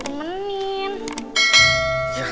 aku masih pengen ditemenin